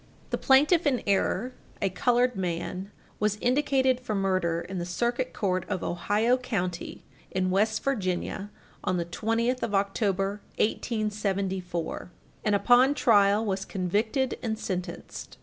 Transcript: The plaintiff in error, a colored man, was indicted for murder in the Circuit Court of Ohio County in West Virginia, on the 20th of October, 1874, and, upon trial, was convicted and sentenced.